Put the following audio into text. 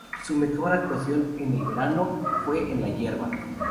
Su mejor actuación en el verano fue en la hierba.